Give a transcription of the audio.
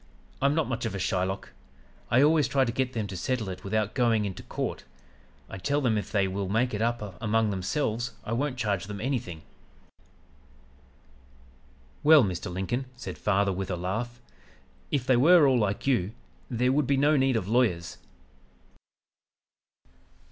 I'm not much of a Shylock. I always try to get them to settle it without going into court. I tell them if they will make it up among themselves I won't charge them anything.' "'Well, Mr. Lincoln,' said father with a laugh, 'if they were all like you there would be no need of lawyers.'